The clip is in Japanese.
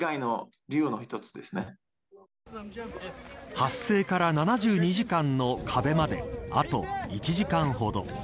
発生から７２時間の壁まであと１時間ほど。